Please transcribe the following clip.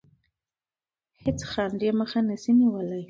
هیڅ خنډ یې مخه نه شي نیولی.